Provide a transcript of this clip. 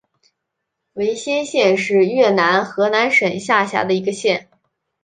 维先县是越南河南省下辖的一个县。